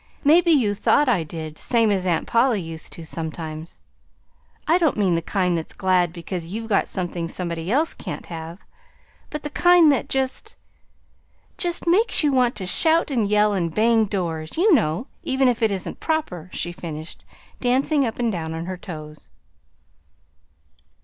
"Maybe you thought I did, same as Aunt Polly used to, sometimes. I don't mean the kind that's glad because you've got something somebody else can't have; but the kind that just just makes you want to shout and yell and bang doors, you know, even if it isn't proper," she finished, dancing up and down on her toes.